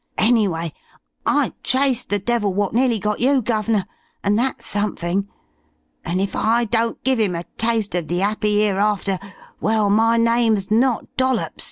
Anyway, I traced the devil wot nearly got you, Guv'nor, and that's somefing. And if I don't give 'im a taste of the 'appy 'ereafter, well, my name's not Dollops."